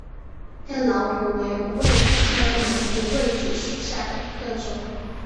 黑老虎为五味子科南五味子属下的一个种。